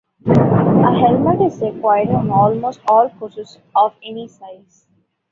A helmet is required on almost all courses of any size.